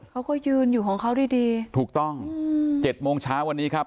เขาก็ยืนอยู่ของเขาดีดีถูกต้องอืมเจ็ดโมงเช้าวันนี้ครับ